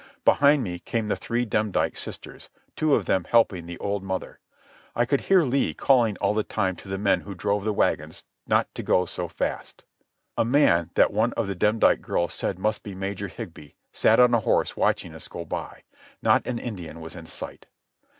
Behind me came the three Demdike sisters, two of them helping the old mother. I could hear Lee calling all the time to the men who drove the wagons not to go so fast. A man that one of the Demdike girls said must be Major Higbee sat on a horse watching us go by. Not an Indian was in sight.